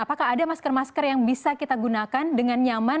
apakah ada masker masker yang bisa kita gunakan dengan nyaman